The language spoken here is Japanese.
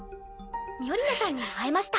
ミオリネさんにも会えました。